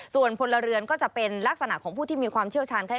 ส่วนพลเรือนก็จะเป็นลักษณะของผู้ที่มีความเชี่ยวชาญไข้